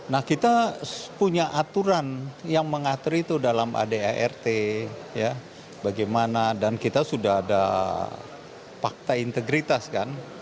nah kita punya aturan yang mengatur itu dalam adart bagaimana dan kita sudah ada fakta integritas kan